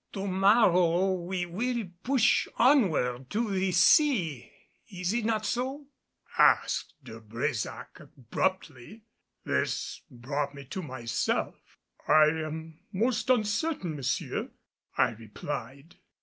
"To morrow we will push onward to the sea, is it not so?" asked De Brésac abruptly. This brought me to myself. "I am most uncertain, monsieur," I replied.